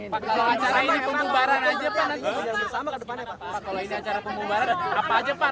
pak kalau acara ini pembubaran aja